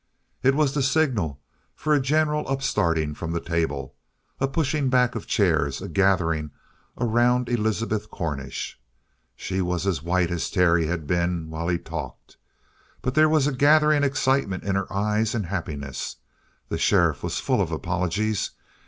It was the signal for a general upstarting from the table, a pushing back of chairs, a gathering around Elizabeth Cornish. She was as white as Terry had been while he talked. But there was a gathering excitement in her eye, and happiness. The sheriff was full of apologies.